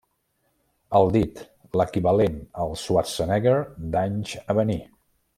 El dit: l'equivalent al Schwarzenegger d'anys a venir.